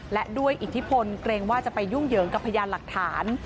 และด้วยอิทธิพลเกรงว่าจะไปยุ่งเหยิงกับพยานหลักฐาน